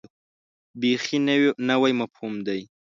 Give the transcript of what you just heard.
بیخي نوی مفهوم دی.